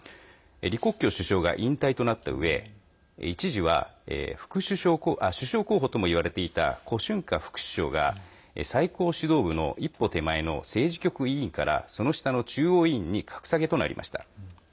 李克強首相が引退となったうえ一時は首相候補ともいわれていた胡春華副首相が最高指導部の一歩手前の政治局委員からその下の中央委員に格下げとなりました。